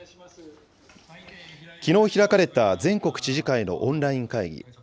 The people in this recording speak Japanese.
きのう開かれた全国知事会のオンライン会議。